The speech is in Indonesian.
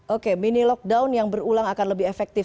oke mini lockdown yang berulang akan lebih efektif